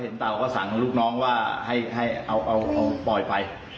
เต่าก็สั่งลูกน้องว่าให้เอาปล่อยไป